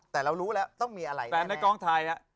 แต่ในกล้องถ่าย